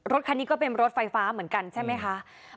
รถคันนี้ก็เป็นรถไฟฟ้าเหมือนกันใช่ไหมคะ